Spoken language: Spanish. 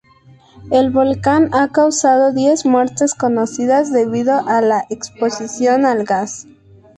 El volcán ha causado diez muertes conocidas debido a la exposición al gas.